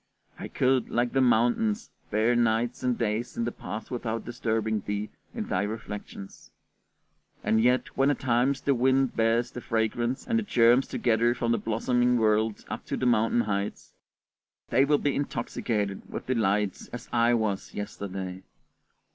I could, like the mountains, bear nights and days in the past without disturbing thee in thy reflections! And yet when at times the wind bears the fragrance and the germs together from the blossoming world up to the mountain heights, they will be intoxicated with delight as I was yesterday.